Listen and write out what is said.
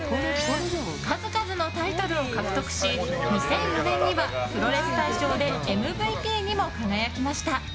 数々のタイトルを獲得し２００４年にはプロレス大賞でＭＶＰにも輝きました。